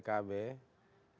kalau di pkb